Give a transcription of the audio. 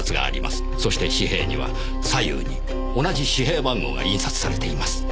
そして紙幣には左右に同じ紙幣番号が印刷されています。